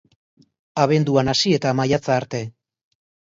Abenduan hasi eta maiatza arte.